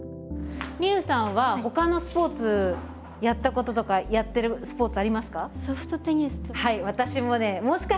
みうさんはほかのスポーツやったこととかやってるスポーツありますか？